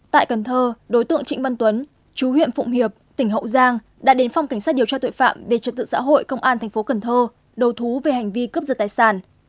tại cần thơ đối tượng trịnh văn tuấn chú huyện phụng hiệp tỉnh hậu giang đã đến phòng cảnh sát điều tra tội phạm về trật tự xã hội công an thành phố cần thơ đầu thú về hành vi cướp giật tài sản